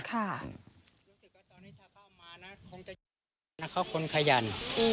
เขาคนขยัน